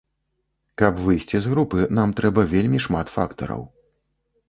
Каб выйсці з групы, нам трэба вельмі шмат фактараў.